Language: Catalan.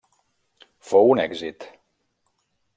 Fou un èxit.